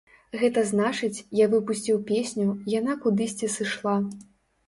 Гэта значыць, я выпусціў песню, яна кудысьці сышла.